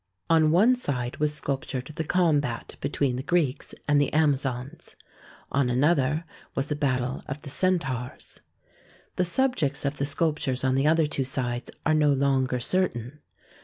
On one side was sculp tured the combat between the Greeks and the Amazons. On another was the battle of the Centaurs. The subjects of the sculptures on the other two sides are no longer certain.